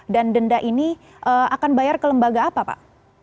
dan denda ini akan bayar ke lembaga apa pak